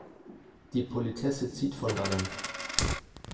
Die Politesse zieht von Dannen.